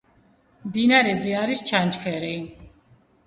მდინარეზე არის ჩანჩქერი.